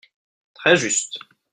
Très juste